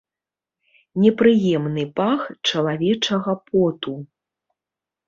Непрыемны пах чалавечага поту.